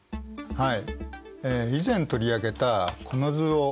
はい。